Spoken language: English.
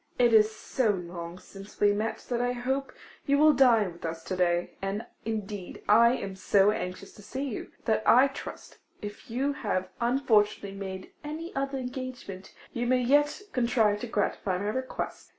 It is so long since we met that I hope you will dine with us to day; and indeed I am so anxious to see you, that I trust, if you have unfortunately made any other engagement, you may yet contrive to gratify my request.